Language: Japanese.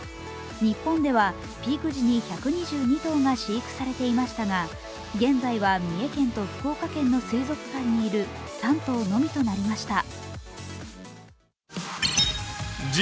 日本ではピーク時に１２２頭が飼育されていましたが現在は三重県と福岡県の水族館にいる３頭のみとなりました。